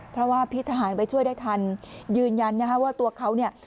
เพราะว่าพี่ทหารไปช่วยได้ทันยืนยันนะฮะว่าตัวเขาเนี่ย